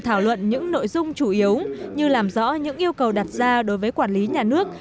thảo luận những nội dung chủ yếu như làm rõ những yêu cầu đặt ra đối với quản lý nhà nước